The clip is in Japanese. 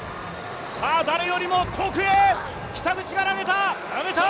さあ、誰よりも遠くへ、北口が投げた！